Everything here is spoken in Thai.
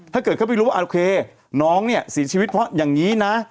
ถ้าเกิดเขาไปรู้ว่าโอเคน้องเนี่ยเสียชีวิตเพราะอย่างนี้นะ